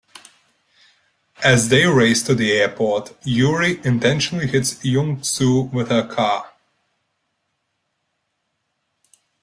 As they race to the airport, Yoo-ri intentionally hits Jung-suh with her car.